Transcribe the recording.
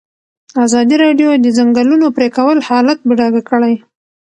ازادي راډیو د د ځنګلونو پرېکول حالت په ډاګه کړی.